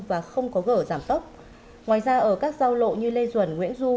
và không có gỡ giảm sốc ngoài ra ở các giao lộ như lê duẩn nguyễn du